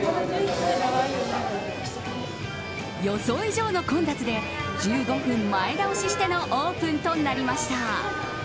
予想以上の混雑で１５分前倒ししてのオープンとなりました。